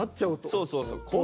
そうそうそう。